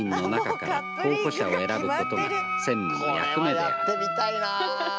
これはやってみたいな！